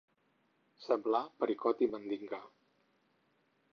Semblar Pericot i Mandinga.